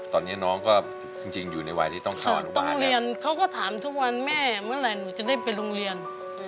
ตอนนี้น้องก็จริงอยู่ในวัยที่ต้องเรียนเขาก็ถามทุกวันแม่เมื่อไหร่หนูจะได้ไปโรงเรียน